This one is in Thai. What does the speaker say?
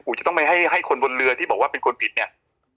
จะต้องไม่ให้คนบนเรือที่บอกว่าเป็นคนผิดเนี่ย